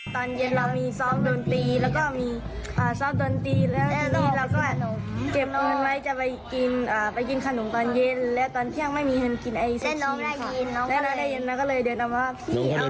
ตอนเย็นเรามีซอฟต์ดนตรีแล้วก็มีซอฟต์ดนตรี